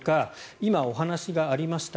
今、お話がありました